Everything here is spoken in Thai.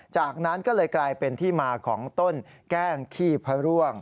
จากนั้นก็เลยกลายเป็นที่มาของต้นแกล้งขี้พระร่วง